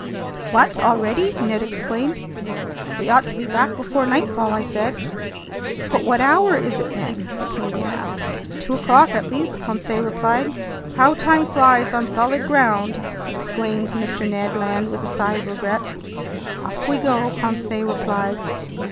"What! Already!" Ned exclaimed. "We ought to be back before nightfall," I said. "But what hour is it, then?" the Canadian asked. "Two o'clock at least," Conseil replied. "How time flies on solid ground!" exclaimed Mr. Ned Land with a sigh of regret. "Off we go!" Conseil replied.